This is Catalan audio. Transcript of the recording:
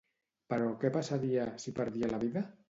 Però què passaria, si perdia la vida?